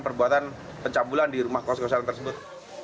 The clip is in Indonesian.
perbuatan pencabulan di rumah kos kosan tersebut